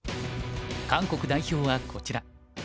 韓国代表はこちら。